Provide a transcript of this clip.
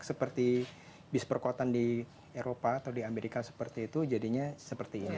seperti bis perkuatan di eropa atau di amerika seperti itu jadinya seperti ini